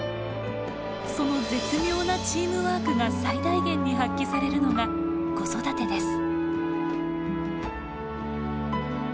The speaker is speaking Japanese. その絶妙なチームワークが最大限に発揮されるのが子育てです。